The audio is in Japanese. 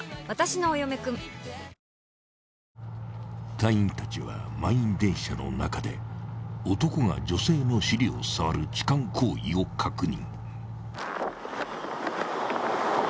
［隊員たちは満員電車の中で男が女性の尻を触る痴漢行為を確認！］